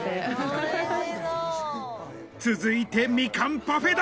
続いてみかんパフェだ